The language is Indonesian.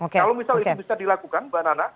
kalau misal itu bisa dilakukan mbak nana